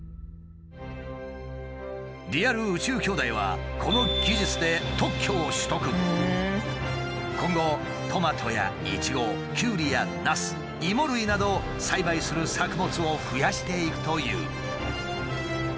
リアル「宇宙兄弟」はこの技術で今後トマトやイチゴキュウリやナスイモ類など栽培する作物を増やしていくという。